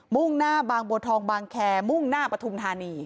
่งหน้าบางบัวทองบางแคร์มุ่งหน้าปฐุมธานี